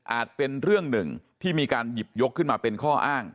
เป็นเรื่องหนึ่งที่มีการหยิบยกขึ้นมาเป็นข้ออ้าง